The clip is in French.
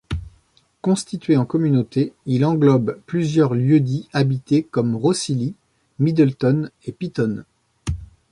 Constitué en communauté, il englobe plusieurs lieux-dits habités comme Rhossili, Middleton et Pitton.